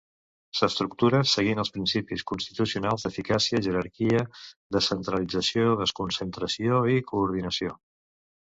S'estructura seguint els principis constitucionals d'eficàcia, jerarquia, descentralització, desconcentració i coordinació.